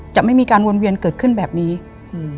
จะไม่มีการวนเวียนเกิดขึ้นแบบนี้อืม